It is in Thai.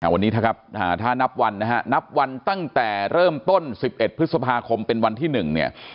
วันนี้ถ้านับวันตั้งแต่เริ่มต้น๑๑พฤษภาคมเป็นวันที่๑